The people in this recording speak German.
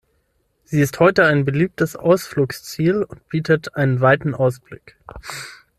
Sie ist heute ein beliebtes Ausflugsziel und bietet einen weiten Ausblick.